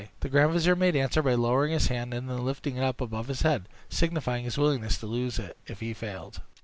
The grand vizier made answer by lowering his hand, and then lifting it up above his head, signifying his willingness to lose it if he failed.